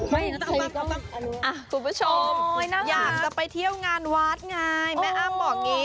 คุณผู้ชมอยากจะไปเที่ยวงานวัดไงแม่อ้ำบอกอย่างนี้